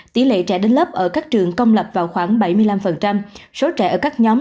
tỷ lệ trẻ đến lớp ở các trường công lập vào khoảng bảy mươi năm số trẻ ở các nhóm